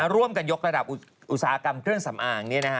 ร่วมกันยกระดับอุตสาหกรรมเครื่องสำอาง